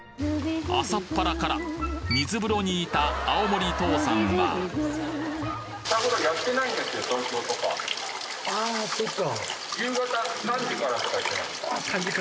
朝っぱらから水風呂にいた青森父さんはあそっか。